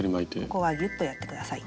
ここはギュッとやって下さい。